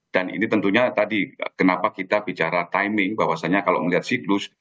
dan ini tentunya tadi kenapa kita bicara timing bahwasanya kalau melihat siklus